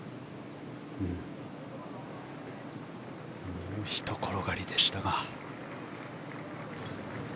もうひと転がりでしたが。